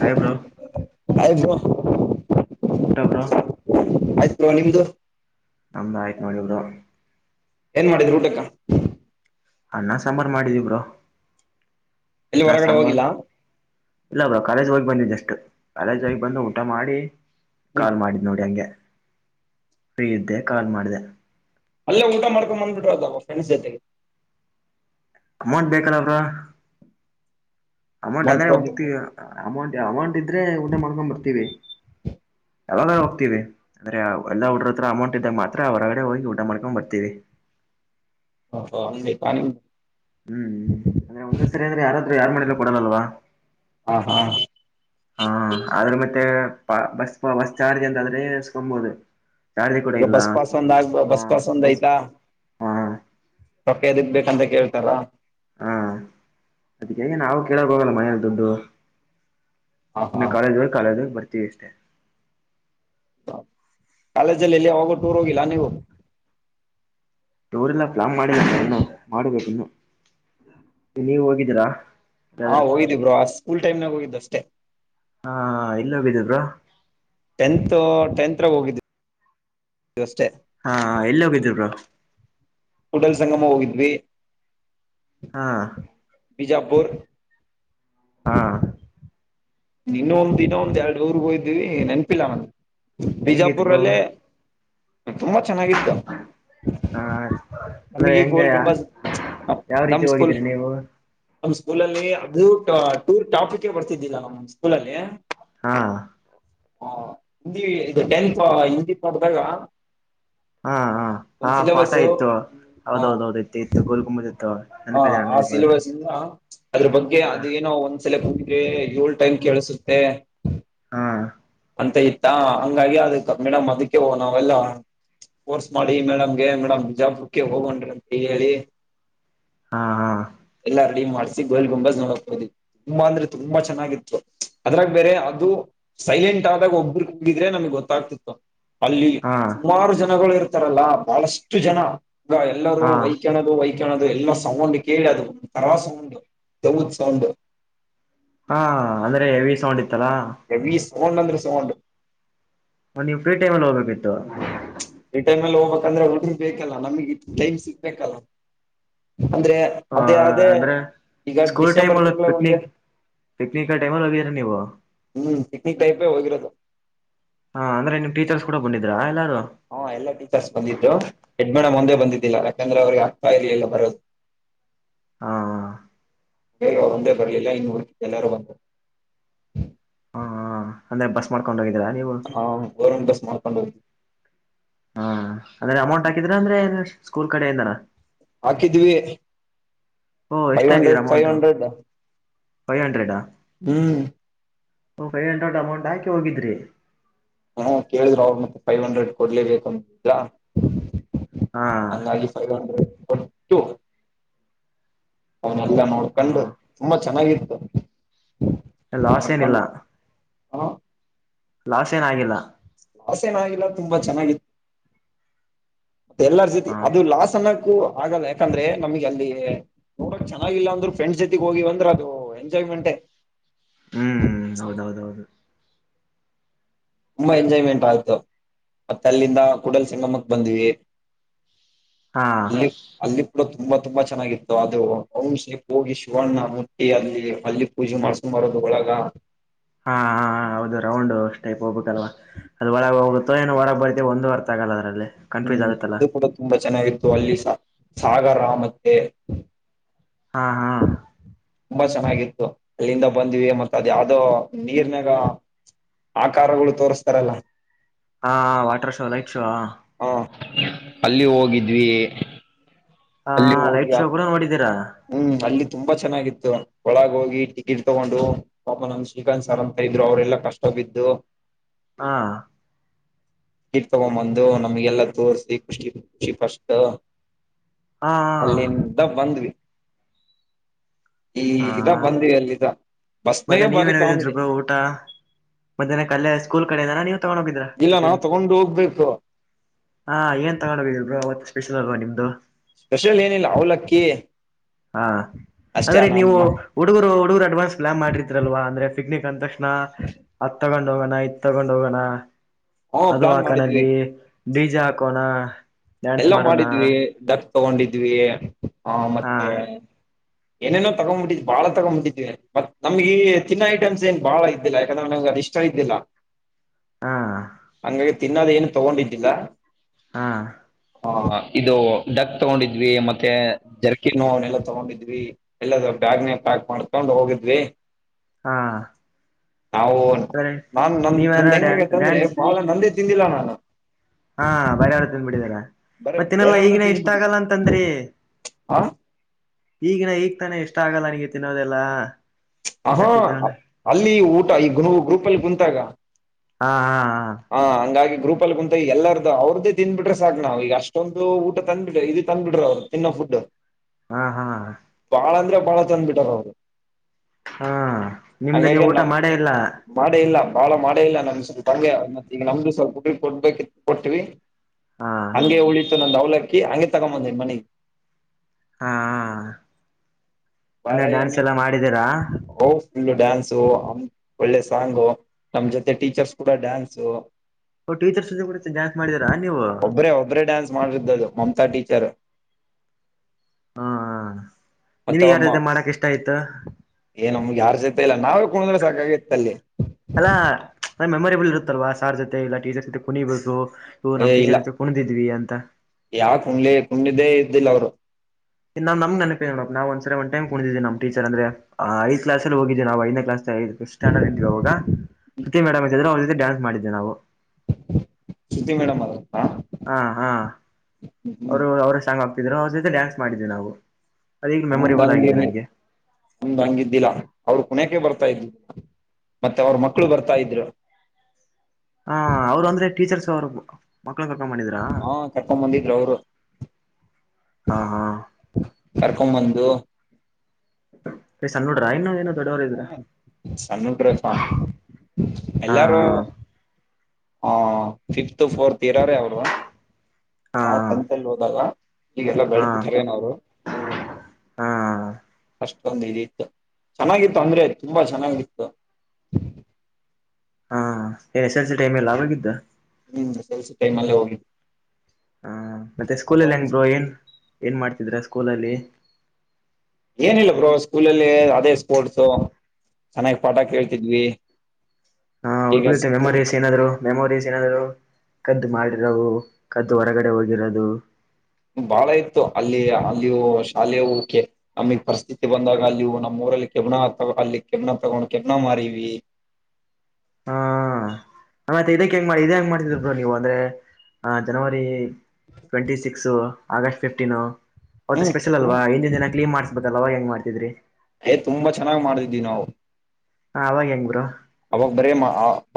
Hi bro hi bro ಊಟ bro? ಆಯ್ತ bro. ನಿಮ್ದು? ನಮ್ದ ಆಯ್ತ ನೋಡಿ ಬ್ರೋ ಏನ್ ಮಾಡಿದ್ರರು ಊಟಕ್ಕ ಅನ್ನ ಸಾಂಬಾರು ಮಾಡಿದೀ ಬ್ರೋ ಎಲ್ಲಿ ಅನ್ನ ಹೊರಗಡೆ ಸಾಂಬಾರು ಹೋಗಿಲ್ಲ ಇಲ್ಲ ಬ್ರೋ ಕಾಲೇಜ್ ಹೋಗಿ ಬಂದಿದ್ದಷ್ಟು ಕಾಲೇಜ್ ಹೋಗಿ ಬಂದು ಊಟ ಮಾಡಿ ಹ್ಮ್ ಕಾಲ್ ಮಾಡಿದ್ದ ನೋಡಿ ಹಂಗೆ ಫ್ರೀ ಇದ್ದೆ ಕಾಲ್ ಮಾಡಿದೆ ಅಲ್ಲೇ ಊಟ ಮಾಡಕೊಂಡಂಬ ಬಂದ್ಬಿಟೊ ಫ್ರೆಡ್ಸ್ ಜೊತೆ ಅಮೌಂಟ್ ಬೇಕಲ್ಲ ಬ್ರೋ ಅಮೌಂಟ್ ಒನ್ ಅದರೆ ಪ್ರಾಬ್ಲಮ್ ಹೋಗ್ತೀಯ ಅಮೌಂಟ್ ಅಮೌಂಟ್ ಇದ್ರೆ ಊಟ ಮಾಡ್ಕೊಂಡ್ ಬರ್ತೀವಿ ಯಾವಾಗಾರ ಹೋಗ್ತವಿ ಅಂದ್ರೆ ಎಲ್ಲ ಹುಡುಗರ ಹತ್ರ ಅಮೌಂಟ್ ಇದ್ರೆ ಮಾತ್ರ ಅವರಗಡೆ ಹೋಗಿ ಊಟ ಮಾಡ್ಕೊಂಡ್ ಬರ್ತೀವಿ ಹ ಅ ಪಾನ [unintelligible] ಹೂ ಹೂ ಅಂದ್ರೆ ಒಂದ್ಸರಿ ಅಂದ್ರೆ ಯಾರಾದ್ರರು ಯಾರ್ ಮಾಡಿದ್ರ ಕೊಡಲ್ಲಲ್ವಾ ಹಾ ಹಾ ಹಾ ಆದ್ರೆ ಮತ್ತೆ ಬಸ್ ಬಸ್ ಚಾರ್ಜ್ ಅಂತಾದ್ರೆ ಎಸ್ಕೊಬಹುದು ಈಗ ಬಸ್ ಪಾಸ್ ಒಂದ್ ಆಗ್ ಹಾ ಬಸ್ ಪಸ್ ಒಂದ್ ಬಸ್ ಆಯ್ತಾ ಹಾ ತೊಕ್ಕದಿಗ್ ಬೇಕಂತ ಕೇಳ್ತಾರಾ [unintelligible] ಹಾ ಅದಕ್ಕೆೇಗ ನಾವು ಕೇಳಕ್ ಹೋಗಲ್ಲ ಮನೇಲಿ ದುಡ್ಡು ಹಾ ಹಾ ನಿಮ ಕಾಲೇಜ್ ಕಾಲೇಜ್ ಬರ್ತೀವಿ ಅಷ್ಟೇ ಕಾಲೇಜಲ್ಲಿ ಎಲ್ಲಿ ಯಾವಾಗೂ ಟೂರ್ ಹೋಗಿಲ್ಲ ನೀವು ಟಾರ್ರೆಲ್ಲಾ ಪ್ಲಾನ್ ಮಾಡಿನ್ನು ಮಾಡಬೇಕ್ ಇನ್ನು ನೀವ ಹೋಗಿದ್ದೀರಾ ಹಾ ಯಾದ್ರು ಹೋಗಿದ್ದೆ ಬ್ರೋ ಆ ಸ್ಕೂಲ್ ಟೈಮ್ನಾಗ ಹೋಗಿದ್ದ ಅಷ್ಟೇ. ಹಾ, ಎಲ್ಲಿ ಹೋಗಿದ್ದೆ ಬ್ರೊ? - ಟೆಂತ್ ಟೆಂತ್ರಾಗ ಹೋಗಿದ್ದ್ವಿ ಅಷ್ಟೇ. ಹಾ, ಹಾ ಎಲ್ಲಿ ಹೋಗಿದ್ರಿ ಬ್ರೋ? ಕೂಡಲಸಂಗಮ ಹೋಗಿದ್ವಿ. ಹಾ, ಬಿಜಾಪುರ್ ಹಾ, ಇನ್ನಾಒಂದ್ ಇನ್ ಒಂದ ಎರಡು ಊರ್ಗೆ ಹೋಗಿದ್ವೀವಿ ನೆನಪಿಲ್ಲ ನನಗ. ಹೆಂಗಿತ್ ಬ್ರೋ ಬಿಜಾಪುರಲ್ಲೇ ತುಂಬಾ ಚೆನ್ನಾಗಿತ್ತು. [unintelligible] ಹಾ ಅಂದ್ರೆ ನಮಗೆ ಈ ಹೆಂಗ ಗೋಲ್ ಗುಂಬಜ್ ಯಾವ ರೀತಿ ನಮ್ ಸ್ಕೂಲ್ ಹೋಗಿದ್ರಿ ನೀವು.? ನಮ್ ಸ್ಕೂಲಲ್ಲಿ ಅದು ಟೂರ್ ಟಾಪಿಕ್ಕೆ ಬರ್ತಿದಿಲ್ಲ ನಮ್ ಸ್ಕೂಲಲ್ಲಿ. ಹಾ ಹಾ ಹಿಂದಿ ಇದ ಟೆಂತ್ ಹಿಂದಿ ಪಾಠದಾಗ ಹಾ ಹಾ ಹಾ ಪಾಠ ಇತ್ತು ಹ ಹೌದೌದ ಹೌದ ಇತ್ತು- ಇತ್ತು ಗೋಲ್ ಗುಂಬಜ್ ಇತ್ತು. ಹ ನೆನಪಿದೆ ಆ ನನಗೂ ಕೂಡ ಸಿಲೆಬಸ್ ಇಂದ ಅದ್ರ ಬಗ್ಗೆ ಅದೇನೋ ಒಂದ ಒಂದಸಲೆಕೂಗಿದ್ರೆ ಏಳ್ ಟೈಮ್ ಕೇಳಿಸುತ್ತೆ. ಹಾ ಅಂತ ಇತ್ತ ಹಂಗಾಗಿ ಅದ ಮೇಡಮ್ ಅದಕ್ಕೆ ನಾವೆಲ್ಲಾ ಪೋರ್ಸ್ ಮಾಡಿ ಮೇಡಮ್ಗೆ, ಮೇಡಮ್ ಬಿಜಾಪುರ್ಕೆ ಹೋಗೊಣ್ರಿ ಅಂತ ಹೇಳಿ ಹಾ, ಹಾ ಎಲ್ಲಾ ರೆಡಿ ಮಾಡ್ಸಿ ಗೋಲ್ ಗುಂಬಜ್ ನೋಡಕಹೋದ್ವಿ. ತುಂಬಾ ಅಂದ್ರೆ ತುಂಬಾ ಚೆನ್ನಾಗಿತ್ತು. ಅದ್ರಾಗ ಬೇರೆ ಅದು ಸೈಲೆಂಟ್ ಆದಾಗ ಒಬ್ಬ್ರುಕೂಗಿದ್ರೆ ನಮ್ಗೆ ಗೊತ್ತಾಗ್ತಿತ್ತು. ಅಲ್ಲಿ ಹಾ ಹಾ ಸುಮಾರು ಜನಗಳು ಇರ್ ಇರ್ತಾರಲ್ಲ ಬಹಳಷ್ಟು ಜನ ಎಲ್ಲರೂ ಹಾ ವೈಕ್ ದು [unintelligible] ವೈಕಣದು ಎಲ್ಲಾ ಸೌಂಡ್ ಕೇಳಿ ಅದು ಒಂತರ ಸೌಂಡ್ ದೆವ್ವದ ಸೌಂಡ್. ಹಾ ಅಂದ್ರೆ ಹೆವಿ ಸೌಂಡ್ ಇತ್ತಲಾ ಹೆವಿ ಸೌಂಡ್ ಅಂದ್ರೆ ಸೌಂಡ್ [unintelligible] ನೀವು ಫ್ರೀ ಟೈಮಲ್ಲಿ ಹೋಗ್ಬೇಕಿತ್ತು. ರಿಟರ್ನ್ ಅಲ್ಲಿ ಹೋಗ್ಬೇಕಂದ್ರೆ ಅವ [unintelligible] ಬೇಕಲ್ಲ ನಮಗೆ ಟೈಮ್ ಸಿಗ್ಬೇಕಲ್ಲ ಅಂದ್ರೆ ಆ ಅದೇ ಅದೇ ಅಂದ್ರೆ ಈಗ ಡಿಸೆಂಬರ್ ತಿಂಗಳ ಒಂದೆ ಪಿಕಕ್ನಿಕ ಟೈಮ್ಲ್ಲಗಾರ ನೀುವ [unintelligible] ಹ್ಮ್, ಪಿಕ್ನಿಕ್ ಟೈಪೇ ಹೋಗಿರೋದು. ಹಾ ಅಂದ್ರೆ ನಿಮ್ ಟೀಚರ್ಸ್ ಕೂಡ ಬಂದಿದ್ರಾ ಎಲ್ಲಾರು. ಹಾ ಎಲ್ಲಾ ಟೀಚರ್ಸ್ ಬಂದಿದ್ರು ಹೆಡ್ ಮೇಡ ಒಂದೆ ಬಂದಿದ್ದಿಲ್ಲ ಯಾಕಂದ್ರೆ ಅವ್ರಿಗೆ ಆಗ್ತಾ ಇರ್ಲಿಲ್ಲ ಬರೋದು. ಹಾ, ಅವರು ಒಂದೇ ಬರಲಿಲ್ಲ ಇನ್ನು ಹುಳ್ದಿದ್ದವರು ಎಲ್ಲಾರು ಬಂದ್ರು. ಹ ಅಂದ್ರೆ ಬಸ್ ಮಾಡ್ಕೊಂಡ ಹೋಗಿದ್ದಿರಾ ನೀವು. ಹಾ ರ್್ ಬಸ್ ಮಾಡ್ಕೊಂಡು ಹ [unintelligible] ಹಾ ಅಂದ್ರೆ ಅಮೌಂಟ್ ಹಾಕಿದ್ರ ಅಂದ್ರೆ ಸ್ಕೂಲ್ ಕಡೆೆಯಿಂದಾನ. ಹಾಕಿದ್ವಿ ಓ ಎಷ್ಟ ಫೈವ್ ಹಾಕಿದ್ರ hundred- five amount hundred five hundred ಹ್ಮ್. ಫೈವ್ ಹಂಡ್ರೇಡಅಮೌಂಟ್ ಹಾಕಿ ಹೋಗಿದ್ರಿ. ಹ್ಮ್, ಕೇಳಿದ್ರು ಅವ್ರು ಫೈವ್ ಹಂಡ್ರೆಡ್ ಹಾ ಕೊಡ್ಲೇಬೇಕಂತಹಂಗಾಗಿ ಹ [inaudible] ಅವನ್ನಲ್ಲ ನೋಡ್ಕಂಡು ಹ ತುಂಬಾ ಚೆನ್ನಾಗಿತ್ತು. ಲಾಸ್ ಏನಿಲ್ಲ ನೋಡಿಕೊಂಡು ಹಾ. ಲಾಸ್ ಏನಾಗಿಲ್ಲ. ಲಾಸ್ ಏನಾಗಿಲ್ಲ ತುಂಬಾ ಚೆನ್ನಾಗಿತ್ತು ಮತ್ತೆ ಎಲ್ಲರ ಜೊತೆ ಹ ಅದು ಲಾಸ್ ಅನ್ನ. ಆಗಲ್ಲ ಯಾಕಂದ್ರೆ ನಮಗೆ ಅಲ್ಲಿ. ನೋಡಕ್ ಚೆನ್ನಾಗಿಲ್ಲ ಅಂದ್ರು ಫ್ರೆಂಡ್ಸ್ ಜೊತೆಗ್ ಹೋಗಿವಿ ಅಂದ್ರೆ ಅದು ಎಂಜಾಯ್ಮೆಂಟ್ ಹ್ಮ್ ಹೌದ್ ಹೌದು ಹೌದು ತುಂಬಾ ಎಂಜಾಯ್ಮೆಂಟ್ ಆಯ್ತು ಮತ್ತೆ ಅಲ್ಲಿಂದ ಕೂಡಲ ಸಂಗಮಕ್ಕೆ ಬಂದ್ವಿ. ಹಾ ಈ. ಅಲ್ಲಿ ಕೂಡ ತುಂಬಾ ತುಂಬಾ ಚೆನ್ನಾಗಿತ್ತು ಅದು ಅವಂ ಶೀ ಹೋಗಿ ಶಿವಣ್ಣ ಮುಟ್ಟಿ ಅಲ್ಲಿ ಅಲ್ಲಿ. ಪೂಜೆ ಮಾಡ್ಸ್ಕೊಂಡು ಬಾರೋದ ಒಳಗ. ಹಾ ಹಾ ಹೌದು ರೌಂಡ್ ಟೈಪ್ ಹೋಗ್ಬೇಕಕ್ಲ್ವಾ. ಅದು ಒಳಗ ಹೋಗುತೊ ಏನೋ ಹೊರಗೆ ಬರ್ತೀವಿ ಒಂದ ಅರ್ಥ ಆಗಲ್ಲ ಅದರಲ್ಲಿ. ಕನ್ಫ್ಯೂಸ್ ಹ್ಮ್ ಆಗುತ್ತಲ್ಲ ಅದು ಕೂಡ ತುಂಬಾ ಚೆನ್ನಾಗಿತ್ತು ಅಲ್ಲಿ ಸಾಗರ ಮತ್ತೆ. ಹಾ ಹಾ ತುಂಬಾ ಚೆನ್ನಾಗಿತ್ತು ಅಲ್ಲಿಂದ ಬಂದಿವವಿ ಮತ್ತ ಅದ ಯಾವ್ದೋ ನೀರ್ನಾಗ. ಆಕಾರಗಳು ತೋಸ್ತಾರಲ್ಲ. ಹಾ ವಾಟರ್ ಶೋ ಲೈಟ್ ಶೋ. ಹಾ ಅಲ್ಲಿ ಹೋಗಿದ್ವಿ. ಹ ಅಲ್ಲಿ ಹೋಗಿ ಲೈಟ್ ಶೋ ಕೂಡ ನೋಡಿದ್ದೀರಾ. ಹ್ಮ್ ಅಲ್ಲಿ ತುಂಬಾ ಚೆನ್ನಾಗಿತ್ತು ಒಳಗ ಹೋಗಿ ಟಿಕೆಟ್ ತಗೊಂಡು. ಪಾಪ ನಮ್ ಶ್ರೀಕಾಂತ್ ಸಾರ್ ಅಂತ ಇದ್ರು ಅವರೆಲ್ಲ ಕಷ್ಟ ಬಿದ್ದು. ಹಾ ಟಿಕೆಟ್ ತಗೊಂಬಂದು ನಮ್ಗೆಲ್ಲ ತೋರ್ಸಿ ಖುಷಿ ಖುಷಿ ಫಸ್ಟ್. ಹಾ ಅಲ್ಲಿಂದ ಬಂದ್ವಿ ಈ ಹಾ ಇದ ಬಂದ ಅಲ್ಲಿ ಬಸ್ನ ಮತ್ತೆ ಬಾರಿ ಕಾಮಿಡಿ. ಊಟ ಮದ್ಯಾಹ್ನಕ್ಕೆ ಅಲ್ಲೇ ಸ್ಕೂಲ್ ಕಡೆದಾರ ನೀವ್ ತಗೊಂಡ್ ಹೋಗಿದಿರ ಇಲ್ಲ ನಾವ್ ಟಿಫಿನ್. ತಗೊಂಡ್ ಹೋಗ್ಬೇಕು ಹಾ ಏನ್ ತಗೊಂಡು ಹೋಗಿದ್ರಿ ಬ್ರೋ ಅವತ್ ಸ್ಪೆಷಲ್ವಾ ನಿಮ್ದು. ಸ್ಪೆಷಲ್ ಏನಿಲ್ಲ ಅವಲಕ್ಕಿ. ಹಾ ಅಷ್ಟೇ ಅಂದ್ರೆ ನಾ ನೀವು ಹುಡುಗರು ಹುಡುಗರು ಅಡ್ವಾನ್ಸ್ ಪ್ಲಾನ್ ಮಾಡಿತಿರಲ್ವಾ ಅಂದ್ರೆ ಪಿಕ್ನಿಕ್ ಅಂತ. ಹತ್ ತಗೊಂಡ್ ಹೋಗೋಣ ಇತ್ ತಗೊಂಡ್ ಹೋಗೋಣ ಹ್ಮ ಅದು ಪ್ಲಾನ್ ಮಾಡಿದ್ವಿ ಆಕನಲ್ಲಿ. ಡಿಜಾ ಹಾಕೋಣ ಡ್ಯಾನ್ಸ್ ಎಲ್ಲ ಮಾಡೋಣ ಮಾಡಿದ್ವಿ ಡಕ್ ತಗೊಂಡಿದ್ವಿ ಆ ಹಾ ಮತ್ತೆ. ಏನೇನೋ ತಗ್ಬಿಟ್ಟಿದ್ವಿ ಬಾಳ ತಕೊಂದಿವಿ ಮತ್ ನಮ್ಗ ತಿನ್ನ ಐಟಮ್ಸ್ ಏನ್ ಇದ್ದಿಲ್ಲ ಯಾಕಂದ್ರ ನಂಗೆ. ಇಷ್ಟ ಇದ್ದಿಲ್ಲ [inaudible] ಹಂಗಾಗಿ ತಿನ್ನದ ಏನು ತೊಗೊಂಡಿದ್ದಿಲ್ಲಾ. ಹಾ ಹ ಇದು ಡಕ್ ತಗೊಂಡಿದ್ವಿ ಮತ್ತೆ ಜರ್ಕಿನೋ ಅವನ್ನೆಲ್ಲ ತಗೊಂಡಿದ್ವಿ. ಇಲ್ಲದ ಬ್ಯಾಗ್ನೆೇ ಪ್ಯಾಕ್ ಮಾಡ್ಕೊಂಡ್ ಹೋಗಿದ್ವಿ. ಹಾ ನಾವು ಅದ್ರೆ ನಾನ ನೀವ್ಯಾರ ನಮ್ದು ಹೆಂಗೆ ಡ್ಯಾನ್ಸ್ ಆಯ್ತು ಅಂತದ್ರೆ ಡ್ಯಾನ್ಸ್ ಬಾಳ ನಂದೇ. ತಿಂದಿಲ್ಲ ನಾನು ಹಾ ಬೇರೆಯವರ ತಿಂದುಬಿಟ್ಟಿದ್ದರೆ ಬರ ಮತ್ತೆ ತಿನಲ್ಲ ಬೇರೆಯವ್ರ್ದ ಈಗಿನ ಇಷ್ಟ ತಿಂದ್ಬಿಟ್ಟಿದ್ದೆ ಆಗಲ್ಲ ಅಂತಂದ್ರಿ. ಹ ಈಗಿನ ಈಗ್ ತಾನೆ ಇಷ್ಟ ಆಗಲ್ಲ ನನಗೆ ತಿನ್ನೋದೆಲ್ಲ ಹ ಹಾ ಜಾಸ್ತಿ ತಗೊಂಡ ಅಲ್ಲಿ ಊಟ ಈ ಗು ಗ್ರೂಪ ಅಲ್ಲಿ ಕೊಂತಾಗ ಹಾ ಹಾ ಹಾ ಹಂಗಾಗಿ ಗ್ರೂಪ ಅಲ್ಲಿ ಕುಂತ ಎಲ್ಲಾರ್ದು ಅವ್ರ್ದ ತಿಂದ್ ಬಿಟ್ರೇ ಸಾಕ್ ನಾವು ಈಗ ಅಷ್ಟೊಂದು ಊಟ ತಂದ್ ಬಿಟ್ರೇ ಇದು ತಂದ್ ಬಿಡ್ರ ಅವರು ಇನ್ನ ಫುಡು ಹಾ ಹಾ ಬಾಳ ಅಂದ್ರೆ ಬಾಳ ಚಂದ್ ಬಿಟ್ಟಾರ ಅವರು ಹಾ ನಿಮ್ದ ಹಂಗಗೇ ನೀವು ನ ಊಟ ಮಾಡೇ ಇಲ್ಲ ಮಾಡೇ ಇಲ್ಲ ಬಾಳ ಮಾಡೇ ಇಲ್ಲ ನಮ ಸ್ವಲ್ಪ ಹಂಗೆ ಮತ್ತಈಗ ನಮ್ದು ಸ್ವಲ್ಪ ಉಡು ಕೊಡ್ಬೇಕಿ ಕೊಟ್ಟಿವವಿ ಹಾ ಹಂಗೆ ಉಳಿತ್ತು ನಂದ ಅವ್ಲಕ್ಕಿ ಹಂಗೆ ತಗೊಂಬಂದೇ ಮನೆಗೆ ಹಾ ಹಾ ಬಾಳ ಅಂದೆ ಡ್ಯಾನ್ಸ್ ಏನು ಎಲ್ಲ ಮಾಡಿದೀರಾ? ಓ ಫುಲ್ಲ ಡ್ಯಾನ್ಸು ಒಳ್ಳೆ ಸಾಂಗ್ ನಮ್ ಜೊತೆ ಟೀಚರ್ಸ್ ಕೂಡ ಡ್ಯಾನ್ಸು ಟೀಚರ್ಸ್ ಜೊತೆ ಕೂಡ ಡ್ಯಾನ್ಸ್ ಮಾಡಿದೀರಾ ನೀವು ಒಬ್ರೇ ಒಬ್ರೇ ಡ್ಯಾನ್ಸ್ ಮಾಡ್ರಿದ್ದದು ಮಮತಾ ಟೀಚರ್ ಹ ಮತ್ತೆ ನಿನಗ್ ಯಾರ ಒಮ್ಮ ಜೊತೆ ಮಾಡಕ್ ಇಷ್ಟ ಆಯ್ತು [unintelligible] ಏನೊಮ್ಗೆ ಯಾರ್ು ಸಿತ ಇಲ್ಲ ನಾವೇ ಕುಣಂದ್ರೆ ಸಾಕಾಗಿತ್ತ ಅಲ್ಲಿ ಅಲ್ಲಾ ಮೆಮೊರೇಬಲ್ ಇರುತ್ತಲ್ವಾ ಸಾರ್ ಜೊತೆ ಇಲ್ಲ ಟೀಚರ್ ಜೊತೆ ಕುಣಿಬೇಕು ನಮ್ ಟೀಚರ್ ಜೊತೆ ಕುಣಿದ್ವಿ ಅಂತ ಯಾರ್ ಕುಣ್ಲಿ ಕುಣ್ದೇ ಇದ್ದಿಲ್ಲ ಅವ್ರು ನಾನ್ ನೇನಪ ನೋಡ್ ನಾ ಒಂದಸರಿ ಒನ್ ಟೈಮ್ ಕುಣ್ದಿದ್ದೀ ನ ಟೀಚರ್ ಅದ್ರೆ ಆ ಐ ಕ್ಲಾಲ್ಲಿ ಹೋಗೀ ನಾವುಐದೇ ಕಾಲ್ಸ್ ್ವಾಗ ಶತರುತಿ ಮೇಡಮ್್ರೆ ಅವ್ರ ಜತೆ ಡನ್ಸ್ ಮಾಡಿದ್ದೆ ನಾವು [unintelligible] ಶ್ರುತಿ ಮೇಡಮ್ ಅವತ್ತಾ ಹಾ ಹಾ ಅವರು ಅವ್ರ ಸಾಂಗ್ ಆಗ್ತಿದ್ರು ಅವ್ರ ಜತೆ ಡ್ಯಾನ್ಸ್ ಮಾಡಿದ್ವಿ ನಾವು ಅದೀಗ ಹ ಮೆಮೊರೇಬಲ್ ಆಗಿದೆ ತಗೆನೆ [unintelligible] ನಮ್ಗೆ ನಮ್ದ್ ಹಂಗಿದ್ದಿಲ್ಲ ಅವರು ಕುಣಿಯೋಕೆ ಬರ್ತಾ ಇದ್ರು ಮತ್ತೆ ಅವ್ರ ಮಕ್ಕಳು ಬರ್ತಾ ಇದ್ರು ಹಾ ಅವ್ರು ಅಂದ್ರೆ ಟೀಚರ್ಸ್ ಅವರು ಮಕ್ಳು ಕರ್ಕೊಂಡ್ ಬಂದಿದ್ರ ಹಾ ಕರ್ಕೊಂಡ್ ಬಂದಿದ್ರು ಅವರು ಹಾ ಹಾ ಕರ್ಕೊಂಬಂದು ಹೇ ಸಣ್ಣ್ ಹುಡರ ಇನುಏನು ಹ ಸಣ್ಣಡ್ರೆ ಪಾಪ ಅವ್ರು ಹಾ ಎಲ್ಲಾರು ಹ ಫಿಫತ್ ಫೋರ್ತ್ ಇರಾವ್ರೇ ಅವರು ಹಾ ನಾವ್ ಟೆಂತ್ ಅಲ್ಲಿ ಹೋದಾಗ ಈಗೆಲ್ಲಾ ಹಾ ಹಾ ಬೆಳೆದಾರೆ ಏನ ಅವ್ರು ಹಾ ಅಷ್ಟ ಒಂದು ಇದಿತ್ತು ಚೆನ್ನಾಗಿತ್ತು ಅಂದ್ರೆ ತುಂಬಾ ಚೆನ್ನಾಗಿತ್ತು ಹಾ ಏನ್ S. S. L. C time ಎಲ್ಲ ಆಗಿದ್ದ ಹ್ಮ ಎಸ್. ಎಲ್. ಸಿ ಟೈಮ್ ಅಲ್ಲೇ ಹೋಗಿದು ಹ ಮತ್ತೆ ಸ್ಕೂಲಲ್ಲಿ ಏನ್ ಒಂದ್ ಬೋ ಏನ್ ಏನ್ ಮಾಡ್ತಿದ್ರ ಸ್ಕೂಲ ಅಲ್ಲಿ ಏನಿಲ್ಲ ಬ್ರೋ ಸ್ಕೂಲಲ್ಲಿ ಅದೇ ಸ್ಪೋರ್ಟ್ಸ. ಚೆನ್ನಾಗ್ ಪಾಠ ಕೇಳ್ತಿದ್ವಿ. ಹಾ ಈಗ ಉಳಿದಿಯ ಸ್ಕೂಲ್ ಮೆಮೋರೀಸ್ ಏನ್ರು ಮೆಮೊರೀಸ್ ಏನಾದರೂ ಕದ್ದು ಮಾಡಿರೋವು ಕದ್ದು ಹೊರಗಡೆ ಹೋಗಿರೋದು ಬಾಳ ಇತ್ತು ಅಲ್ಲಿ ಅಲ್ಲಿಯೂ ಶಾಲೆಯ ಹೋಗಕ್ಕೆ ನಮಗ್ ಪರಿಸ್ಥಿತಿ ಬಂದಾಗ ಅಲ್ಲಿವು ನಮ್ಮ್ಊರಲ್ಲಿ ಕೆಮ್ ಅಲ್ಲಿ ಕೆಮ ತಗೊಂಡ್ ಕೆಮ್ ಮಾರೀವಿ ಆ ಇದಕ್ಕೆ ಹೆಂಗ ಮಾಡ ಇದ ಹೆಂಗ ಮಾಡ್ತಿದರರು ನೀವು ಅಂದ್ರೆ ಆ January twenty six August fifteen ಅವತ್ತು ಸ್ಪೆಷಲ್ ಅಲ್ವಾ ಹ್ಮ್ ಹಿಂದಿನ ದಿನ ಕ್ಲೀನ್ ಮಾಡ್ ತಲವಾಗಿ ಹೆಂಗ ಮಾಡ್ತಿದ್ರಿ ಹೇ ತುಂಬಾ ಚನ್ನ್ಗ್ ಮಾಡಿದ್ವಿ ನಾವು ಹಾ ಅವಾಗ ಹೆಂಗ್ ಬ್ರೋ ಅವಾಗ ಬರೇ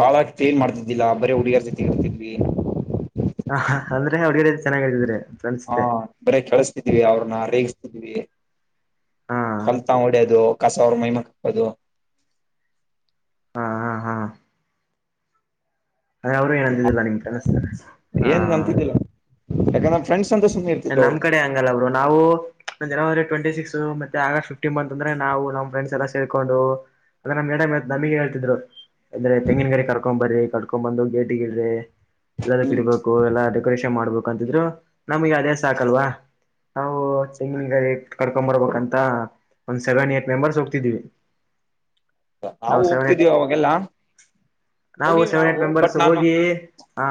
ಬಾಳತ್ ಏನ್ ಮಾಡ್ತಿದ್ದಿಲ್ಲಾ ಬರೀ ಹುಡುಗಿಯರ ಜೊತೆ ಇರ್ತಿದ್ವಿ. ಹ, ಹಅಂದ್ರೆ ಹಡ್ಗಡೆ [unintelligible] ಚೆನ್ನಾಗಿದ್ರೆ ಹಾ, ಬರೆ ಅಳಿಸತಿದೀವಿ ಅವ್ರನ್ನ ಬರೆ ರೇಗಿಸತಿದೀವಿ ಹಾ ಕಲ್ತಾಗಂದ ಹೊಡ್ಯದು. ಕಸ ಅವ್ರ ಮೈಮೇಲೆ ಹಾಕದು. ಹಾ ಹಾ ಹಾ ಅದೇ ಅವರು ಏನುಂತಿದ್ದಿಲ್ಲ ನಿಮ್ಗೆ ಕನ್ನಿ [unintelligible] ಸ್ತಾರೆ ಹಾ ಯಾಕಂದ್ರ ಫ್ರೆಂಡ್ಸ್ ಅಂತ ಸುಮ್ಮನೆ ಇರ್ತಾ ನಮ್ಮ ಕಡೆ ನಾವು ಜನೇವರಿ ಟ್ವೆಂಟಿ ಸಿಕ್ಸ್ ಮತ್ತೆ ಆಗಸ್ಟ್ ಫೀಪ್ಟಿನ್ ಬಂತಂದ್ರೆ ನಾವು ನಮ್ಮ ಫ್ರೆಂಡಸ್ ಎಲ್ಲಾ ತಿಳ್ಕೊಂಡು ಅಂದ್ರೆನಮ್ ಮೇಡಂ ನಮಗೆ ಹೇಳ್ತಿದ್ರು. ಅಂದ್ರೆ ತೆಂಗಿನ ಗರಿ ಕಡ್ಕೊಂಡ ಬರ್ರಿ ಕಡ್ಕೊಂಡ ಬಂದ ಗೇಟಿಗಿಡ್ರಿ. ಎಲ್ಲದ ಹ್ಮ್ ಕಿಡ್ಬೇಕು ಎಲ್ಲಾ ಡೆಕೋರೇಷನ್ ಮಾಡ್ಬೇಕು ಅಂತಿದ್ರು ನಮ್ಗೆ ಅದೇ ಸಾಕಲ್ವಾ. ನಾವು ತೆಂಗಿನಗರಿಕಡ್ಕೊಂಬರ್ಬೇಕಂತ ಒಂದ್ ಸೆವೆನ್ ಏಟ್ ಮೆಂಬರ್ಸ್ ಹೋಗ್ತಿದ್ವಿ. [inaudible] ನಾವು ಸೆವೆನ್ ಏಟ್ ಹೋಗ್ತಿದಿವಿ ಅವಾಗೆಲ್ಲಾ ನಾವು ಹೋಗಿವಿ ಸೆವೆನ್ ಏಟ್ ಬಟ್ ಮೆಂಬರ್ಸ್ ನಾನು ಹೋಗಿ ಹ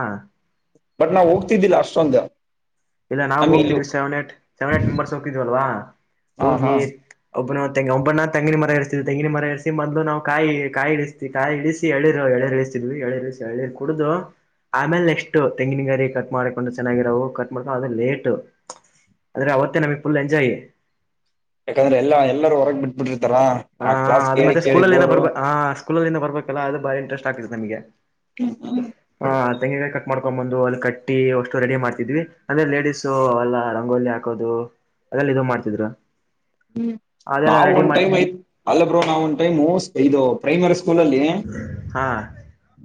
ಬಟ್ ನಾವು ಹೋಗ್ತಿದ್ದಿಲ್ಲಾ ಅಷ್ಟೊಂದು. ಇಲ್ಲ ನಾವು ನಮ್ಗೆ ಇಲ್ಲಿ ಹೋಗ್ತಿದ್ವಿ seven eight -seven eight members ಹೋಗ್ತಿದ್ವಲ್ವಾ ಹಾ ಹಾ ಹೋಗಿ ಒಬ್ಬನ ತೆಂಗಿನ ಒಬ್ಬಣ್ಣತೆಂಗಿನ ಮರ ಎರ್ಸಿ ತೆಂಗಿನಮರ ಎರ್ಸಿಮೊದಲು ನಾವು ಕಾಯಿ-ಕಾಯಿ ಇಳ್ಸಿತೀವಿ. ಕಾಯಿ ಇಳಿಸಿ ಎಳಿ ನೀರು ಎಳಿ ನೀರು ಇಳಿಸತಿದ್ವಿ. ಎಳಿರು ಇಳ್ಸಿಎಳಿನೀರ್ ಕುಡುದು. ಆಮೇಲೆ ನೆಕ್ಸ್ಟ್ ತೆಂಗಿನ ಗರಿ ಕಟ್ ಮಾಡಕೊಂಡು ಚೆನ್ನಾಗಿರವು ಕಟ್ ಮಾಡ [unintelligible] ಲೇಟ್ ಆದ್ರೆ ಅವತ್ತೇ ನಮಗ್ ಫುಲ್ ಎಂಜಾಯ್. ಯಾಕಂದ್ರೆ ಎಲ್ಲ ಎಲ್ಲರೂ ಹೊರಗೆ ಬಿಟ್ಬಿಟ್ಟಿರ್ತಾರಾ. ಹ ಅದು ಮತ್ತೆ ಸ್ಕೂಲಲ್ಲಿಂದಬರ್ಬ ಹಾ ಸ್ಕೂಲಲ್ಲಿಂದ ಬರ್ಬೇಕಲ್ಲ ಹಾಅದು ಬಾರಿ ಇಂಟ್ರೆಸ್ಟ್ ಆಗ್ತದೆ ನಮಗೆ. ಹ್ಮ್ ಹ್ಮ್ [unintelligible] ಹ ತೆಂಗಿಗರಿ ಕಟ್ ಮಾಡ್ಕೊಂಡ್ ಬಂದು ಅಲ್ಲಿ ಕಟ್ಟಿ ಓಷ್ಟು ರೆಡಿ ಮಾಡ್ತಿದ್ವಿ. ಅಂದ್ರೆ ಲೇಡಿಸ್ಸು ಎಲ್ಲ ರಂಗೋಲಿ ಹಾಕ ದು ಅದೆಲ್ಲ ಇದ ಮಾಡ್ತಿದ್ರು. ಹ್ಮ, ಅದೆಲ್ಲ ನಾವು ರೆಡಿ ಒಂದ್ ಟೈಮ್ ಮಾಡ್ತಿವಿ ಐತ್ ಅಲ್ಲ ಬ್ರೋ ನಾವ್ ಒಂದ್ ಟೈಮ್ ಇದು ಪ್ರೈಮರಿ ಸ್ಕೂಲಲ್ಲಿ ಹಾ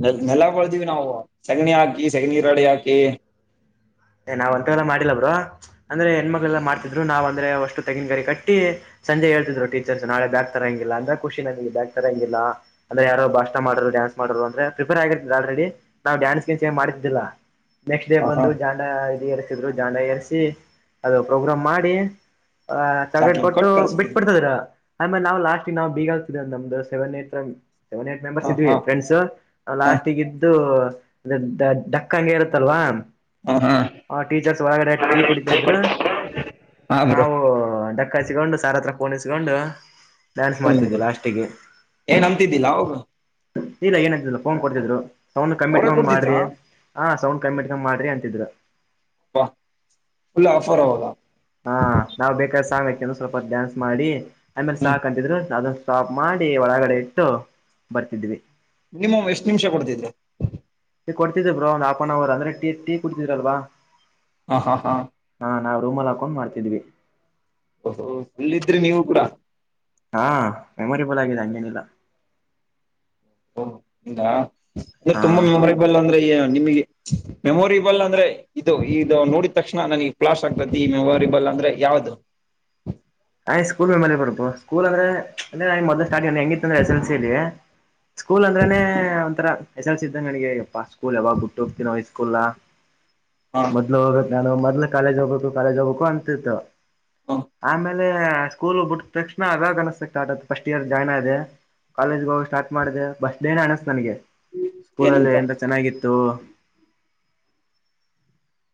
ನ ನೆಲಾಬಳ್ದಿವಿ ನಾವು ಸೆಗಣಿ ಹಾಕಿ ಸೆಗಣಿ ರಾಡಿ ಹಾಕಿ ನಾವ್ ಅಂತಾವೆಲ್ಲ ಮಾಡಿಲ್ಲಬ್ರೋ, ಅಂದ್ರೆ ಹೆಣ್ಮಕ್ಕಳೆಲ್ಲಾಮಾಡ್ತಿದ್ರು ನಾವ್ ಅಂದ್ರೆ ಅಷ್ಟು ತೆಗಿನಗರಿ ಕಟ್ಟಿ ಸಂಜೆ ಹೇಳ್ತಿದ್ರು ಟೀಚರ್ಸ್ ನಾಳೆ ಬ್ಯಾಗ ತರಂಗಿಲ್ಲ ಅಂದ್ರ ಖುಷಿ ನನಗೆ ಬ್ಯಾಗ್ ತರಂಗಿಲ್ಲ. ಅಂದ್ರ ಯಾರೋ ಭಾಷಣ ಮಾಡರು, ಡಾನ್ಸ್ ಮಾಡರು ಅಂದ್ರೆ ಪ್ರಿಪೇರಾಗಿರ್ತಿದ್ದರು ಆಲ್ರೆಡಿ. ನಾವು ಡ್ಯಾನ್ಸ್ ಗ್ರೀನ್ಸ್ ಎನ್ ಮಾಡ್ತಿದ್ದಿಲ್ಲಾ. ನೆಕ್ಸ್ಟ್ ಡೇ ಹ ಹಾ ಬಂದು ಜಾಂಡಾ ಎರ್ಸಿದ್ರು. ಜಾಂಡಾ ಎಸ್ರಿ ಅದು ಪ್ರೋಗ್ರಾಮ್ ಮಾಡಿ ಆ ತಗದ ಚಾಕ್ಲೇಟ್ ಕೊಟ್ಟು ಕಳ್ಸ್ಬುಡು ಬಿಟ್ಬಿಡ್ತೀದ್ರು. ಆಮೇಲೆ ನಾವು ಲಾಸ್ಟ್ ನಾವು ಬಿಗಾ [unintelligible] ನಮ್ದ ಸೆವೆನ್ ಏ ಸೆವೆನ್ ಏಟ್ ಮೆಂಬರ್ ಹ ಇದ್ವಿ ಹಾ ಫ್ರೆಂಡ್ಸ್. ಹ ಲಾಸ್ಟಿಗಿದ್ದು ಡಕ್ಕ ಹಂಗೆ ಇರುತ್ತಲ್ವಾ. ಹ ಹಾ [unintelligible] ಆ ಟೀಚರ್ಸ್ ಒಳಗಡೆ ಟೀ ಕುಡಿತಾ ಇದ್ರು ಹಾ ಬ್ರೋ ನಾವು ಡಕ್ಕ ಹಚ್ಚಿಗೊಂಡು ಸರ್ ಹತ್ರ ಫೋನ್ ಇಸ್ಕೊಂಡು ಡ್ಯಾನ್ಸ್ ಮಾಡ್ತಿದ್ವಿ ಲಾಸ್ಟಿಗೆ. ಏಯ್ ನಮ್ಮದ್ದಿದಿಲ್ಲಾ ಅವಾಗ. ಇಲ್ಲ ಏನ್ ಅಂತಿದಿಲ್ಲಾ ಫೋನ್ ಕೊಡ್ತಿದ್ರು ಸೌಂಡ್ ಕಮ್ಮಿ ಅವ್ರೇ ಇಟ್ಕೊಂಡ್ ಕೊಡ್ತಿದ್ರಾ ಮಾಡ್ರಿ. ಹಾ ಸೌಂಡ್ ಕಮ್ಮಿ ಇಟ್ಕಂಡ ಮಾಡ್ರಿ ಅಂತಿದ್ರು. ಅ ಲ್ಲ [unintelligible] ಫುಲ್ ಆಫರ್ ಅವಾಗ. ಹಾ ನಾವ್ ಬೇಕಾದ ಸಾಂಗ್ ಹಾಕಂದ ಸ್ವಲ್ಪ ಡ್ಯಾನ್ಸ್ ಮಾಡಿ ಆಮೇಲೆ ಹ್ಮ್ ಸಾಕಂತಿದ್ರು. ಅದ ಸ್ಟಾಪ್ ಮಾಡಿ ಒಳಗಡೆ ಇಟ್ಟು. ಬರ್ತಿದ್ವಿ. ಮಿನಮ್ ಎಷ್ಟ್ ನಿಮಿಷ ಕೊಡ್ತಿದ್ರು. ಕೊಡ್ತಿದ್ರು ಬ್ರೋ ಒಂದು ಆಫ್ ಅನ್ ಅವ ಅಂದ್ರೆ ಟೀ ಕುಡ್ತಿದ್ರಲ್ವಾ. ಹಾ ಹಾ ಹಾ ಹಾ ನಾವು ರೂಮಲ್ಲಿಹಾಕೊಂಡ್ ಮಾಡ್ತಿದ್ವಿ. ಓಹೋ ಇಲ್ಲಿದ್ರಿ ನೀವು ಕೂಡ. ಹಾ ಮೆಮೊರಿಬಲ್ ಆಗಿದೆ ಹಂಗೇನಿಲ್ಲಾ. ಹಾ ಅಂದ್ರೆ ತುಂಬಾ ಹಾ ಮೆಮೊರೇಬಲ್ ಅಂದ್ರೆ ನಿಮಗೆ. ಮೆಮೊರಿಬಲ್ ಅಂದ್ರೆ ಇದು ಇದು ನೋಡಿದ ತಕ್ಷಣ ನನಗ್ ಪ್ಲಾಶ್ ಆಗ್ತತಿ ಈ ಮೆಮೊರಿಬಲ್ ಅಂದ್ರೆ ಯಾವ್ದದು. ನಾ ಸ್ಕೂಲ್ ಮೆಮಲಿಬರ್ಪು ಸ್ಕೂಲ್ ಅಂದ್ರೆ. ಅಂದ್ರೆ ಮೊದಲು ಸ್ಟಾರ್ಟ್ಂಗ ಹೆಂಗಿತ್ತ ಅಂದ್ರೆ ಎಸ್ ಎಲ್ ಸಿಲ್ಲಿ ಸ್ಕೂಲ್ ಅಂದ್ರನೆ ಒಂತರ. ಎಸ್ ಎಲ್ ಸಿ ಇದಂಗ ನನಗೆ ಯಪ್ಪ ಸ್ಕೂಲ್ ಯಾವಾಗ ಬಿಟ್ಟು ಹೋಗ್ತನೋ ಸ್ಕೂಲ್ನಾ ಹ ಹೋಗ್ಬೇಕು ನಾನು ಮೊದ್ಲು ಕಾಲೇಜ್ ಹೋಗ್ಬೇಕು ಕಾಲೇಜ್ ಹೋಗ್ಬೇಕು ಅಂತಿತ್ತು ಹ ಆಮೇಲೆ. ಅದೇ ಸ್ಕೂಲ್ ಬಿಟ್ಟ ತಕ್ಷಣ ಅದಾಗ ಆ ಫಸ್ಟ್ ಇಯರ್ ಜಾಯ್ನ್ ಆದೆ. ಕಾಲೇಜ್ಗ ಹೋಗ ಸ್ಟಾರ್ಟ್ ಮಾಡಿದೆ ಫ್ರಿಸ್ಟ್ ಡೇನ ಅನೀಸ್ತು ನನಗೆ ಸ್ಕೂಲಲ್ಲಿ ಏನಂತ ಎಂತ ಚೆನ್ನಾಗಿತ್ತು.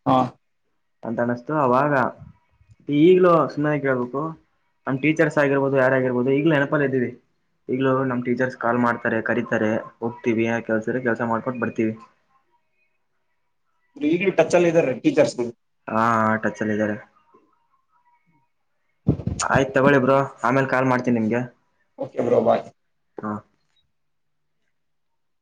ಹಾ ಅಂತ ಅನಿಸ್ತು ಅವಾಗ. ಈಗ್ಲೂ ಸುಮ್ಮನೆಗಿ ಕೇಳ್ಬೇಕು ನಮ್ ಟೀಚರ್ಸ್ ಆಗಿರ್ಬೋದು ಯಾರಗಿರ್ಬಹುದು ಈಗ್ಲೂ ನೆನಪಲ್ಲಿ ಇದ್ದೀವಿ. ಈಗ್ಲೂ ನಮ್ ಟೀಚರ್ಸ್ ಕಾಲ್ ಮಾಡ್ತಾರೆ ಕರೀತಾರೆ ಹೋಗ್ತೀವಿ ಕೆಲ್ಸ್ರ ಕೆಲ್ಸ ಮಾಡ್ಕೊಂಡು ಬರ್ತೀವಿ. ಈ ಟಚ್ ಅಲ್ಲಿ ಇದಾರೆ ಟೀಚರ್ಸ್ಗೆ. ಹಾ ಟಚ್ಲ್ಲ ಇದಾರೆ ಆಯ್ತು ತಕೊಳ್ಳಿ ಬ್ರೋ ಆಮೇಲೆ ಕಾಲ್ ಮಾಡ್ತನಿ ನಿಮ್ಗೆ. Okay bro bye. ಹಾ